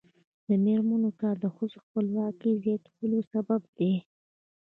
د میرمنو کار د ښځو خپلواکۍ زیاتولو سبب دی.